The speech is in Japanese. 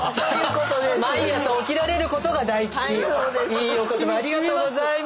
いいお言葉ありがとうございます。